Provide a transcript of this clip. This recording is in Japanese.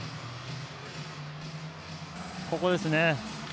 ここですね。